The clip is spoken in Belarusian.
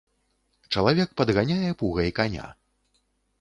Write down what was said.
Чалавек падганяе пугай каня.